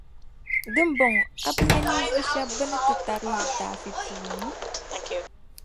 Di ni bɔŋɔ, a bi nya ninvuɣu shεba bɛ ni ti tarli litaafi puuni?